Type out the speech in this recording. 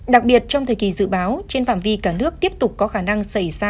đặc biệt trong thời kỳ dự báo trên phạm vi cả nước tiếp tục có khả năng xảy ra